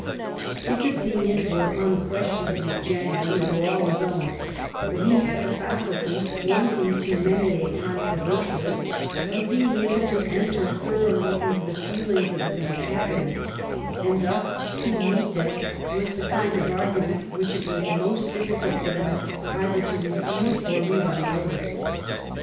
His opinions were unquestionably genuine and were all his own, but he had the faculty, wanting to many a controversialist, of being able to enter thoroughly into the feelings of his antagonists, and thus to meet them with the kind of argument which it was most difficult for them either to refute or leave unnoticed.